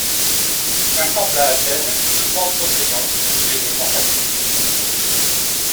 Un temple à Athènes, le Pandroséion, lui était consacré.